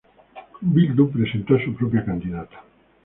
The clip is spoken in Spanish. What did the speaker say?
Bildu presentó a su propia candidata.